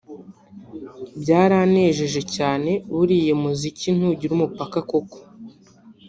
byaranejeje cyane buriya umuziki ntugira umupaka koko